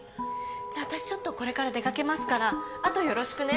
じゃあ私ちょっとこれから出かけますからあとよろしくね。